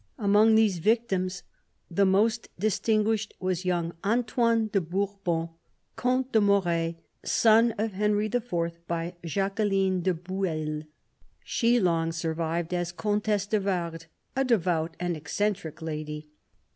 Among these victims the most distinguished was young Antoine de Bourbon, Comte de Moret, son of Henry IV. by Jacqueline de Bueil : she long survived as Comtesse de Vardes, a devout and eccentric lady.